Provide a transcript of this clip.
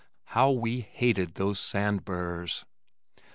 How we hated those sand burrs!